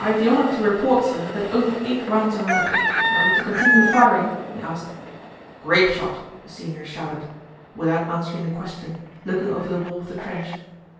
"I have the honor to report, sir, that only eight rounds are left. Are we to continue firing?" he asked. "Grapeshot!" the senior shouted, without answering the question, looking over the wall of the trench.